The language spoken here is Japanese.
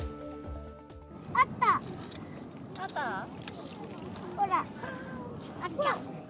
あった、ほら、あった。